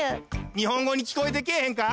日本ごにきこえてけぇへんか？